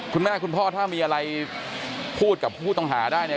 คุณพ่อถ้ามีอะไรพูดกับผู้ต้องหาได้เนี่ย